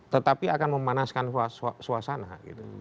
tetapi akan memanaskan suasana